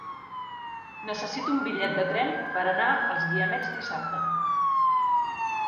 Necessito un bitllet de tren per anar als Guiamets dissabte.